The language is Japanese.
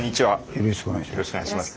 よろしくお願いします。